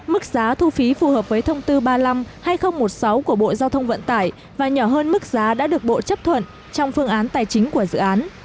mức giá thu phí phù hợp với thông tư ba mươi năm hai nghìn một mươi sáu của bộ giao thông vận tải và nhỏ hơn mức giá đã được bộ chấp thuận trong phương án tài chính của dự án